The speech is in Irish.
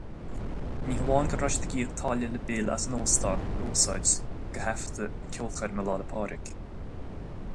Ní hamháin go raibh siad ag íoc táille le Bill as an óstán a úsáid do thaifeadadh na ceolchoirme Lá 'le Pádraig.